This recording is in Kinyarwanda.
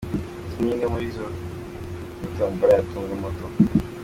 Izi ni zimwe muri moto ziri muri Tombora ya Tunga Moto.